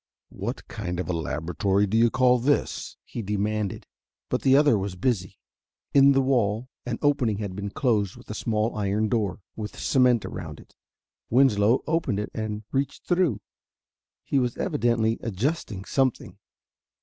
"What kind of a laboratory do you call this?" he demanded. But the other was busy. In the wall an opening had been closed with a small iron door, with cement around it. Winslow opened it and reached through. He was evidently adjusting something.